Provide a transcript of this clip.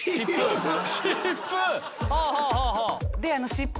湿布？